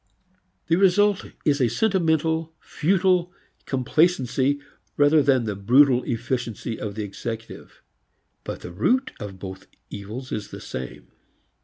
The result is a sentimental futile complacency rather than the brutal efficiency of the executive. But the root of both evils is the same.